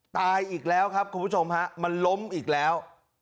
ตายอีกแล้วครับคุณผู้ชมฮะมันล้มอีกแล้ว